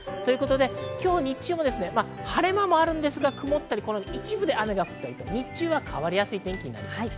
今日の日中も晴れ間はあるんですが、曇ったり、一部で雨が降ったり、日中は変わりやすい天気になりそうです。